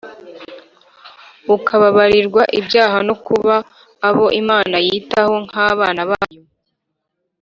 ukubabarirwa ibyaha no kuba abo Imana yitaho nk'abana bayo.